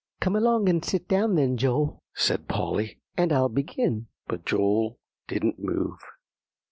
"Come along and sit down, then, Joel," said Polly, "and I'll begin." But Joel didn't move.